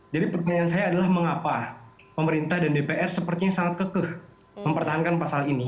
jadi pertanyaan saya adalah mengapa pemerintah dan dpr sepertinya sangat kekeh mempertahankan pasal ini